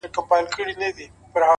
• چي دهقان دلته د سونډ دانې شیندلې ,